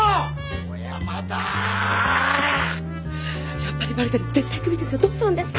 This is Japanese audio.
やっぱりバレてる絶対クビですよどうするんですか！